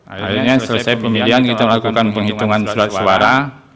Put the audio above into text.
akhirnya selesai pemilihan kita lakukan penghitungan surat suara